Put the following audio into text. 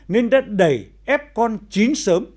nên đã đẩy ép con chín sớm